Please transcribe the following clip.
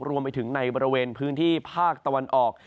รวมไปถึงในบริเวณพื้นที่ภาคตะวันออก